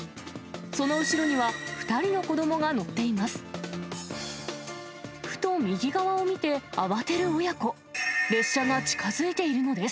その後ろには、２人の子どもが乗っています。